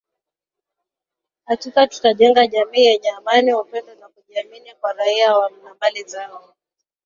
hakika tutajenga jamii yenye amani upendo na kujiamini kwa raia na mali zao